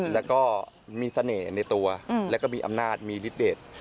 แล้วก็มีเสน่ห์ในตัวแล้วก็มีอำนาจมีฤทธเดท